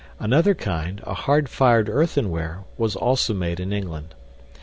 Another kind, a hard fired earthenware, was also made in England.